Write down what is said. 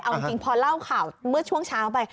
เอาจริงพอเล่าข่าวเมื่อช่วงเช้าไป